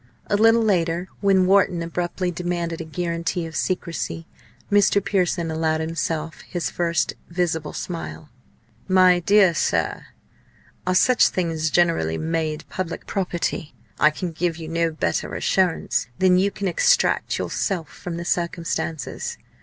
A little later, when Wharton abruptly demanded a guarantee of secrecy, Mr. Pearson allowed himself his first visible smile. "My dear sir, are such things generally made public property? I can give you no better assurance than you can extract yourself from the circumstances.